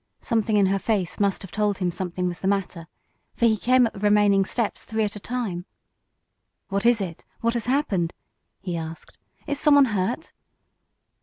Something in her face must have told him something was the matter, for he came up the remaining steps three at a time. "What is it? What has happened?" he asked. "Is someone hurt?"